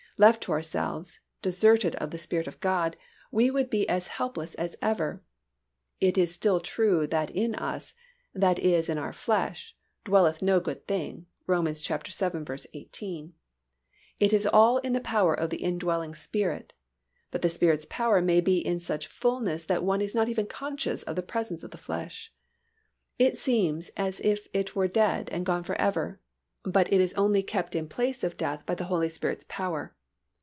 Left to ourselves, deserted of the Spirit of God, we would be as helpless as ever. It is still true that in us, that is in our flesh, dwelleth no good thing (Rom. vii. 18). It is all in the power of the indwelling Spirit, but the Spirit's power may be in such fullness that one is not even conscious of the presence of the flesh. It seems as if it were dead and gone forever, but it is only kept in place of death by the Holy Spirit's power.